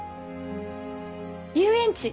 遊園地！